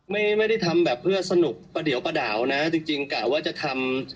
ไม่ได้ทำแบบเพื่อสนุกประเดี๋ยวประดาวนะจริงกะว่าจะทำ